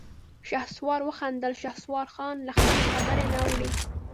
شهسوار وخندل: شهسوارخان له خپلې خبرې نه اوړي.